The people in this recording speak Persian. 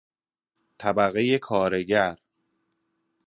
طبقه کارگر